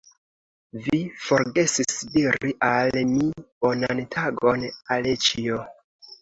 Vi forgesis diri al mi bonan tagon, Aleĉjo!